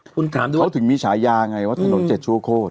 คุณถามดูเขาถึงมีฉายาไงว่าถนน๗ชั่วโคตร